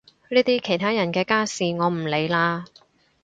呢啲其他人嘅家事我唔理啦